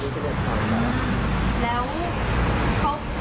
อื้อขาวอยู่ในคลิปนะครับ